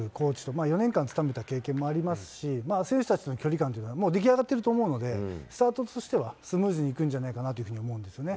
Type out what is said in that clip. ２軍監督、コーチと、４年間務めた経験もありますし、選手たちとの距離感というのももう出来上がってると思うので、スタートとしてはスムーズにいくんじゃないかなというふうに思うんですね。